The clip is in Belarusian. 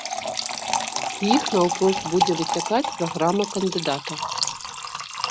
З іх наўпрост будзе выцякаць праграма кандыдата.